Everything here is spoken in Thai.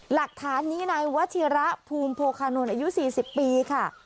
หลักฐานนี้นายวัชิระภูมิโภคานนท์อายุ๔๐ปีค่ะ